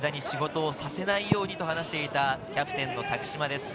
エースの福田に仕事をさせないようにと話していた、キャプテン・多久島です。